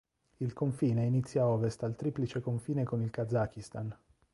Il confine inizia a ovest al triplice confine con il Kazakistan.